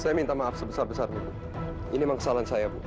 saya minta maaf sebesar besarmu ini memang kesalahan saya